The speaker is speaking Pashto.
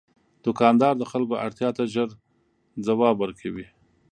دوکاندار د خلکو اړتیا ته ژر ځواب ورکوي.